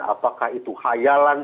apakah itu khayalan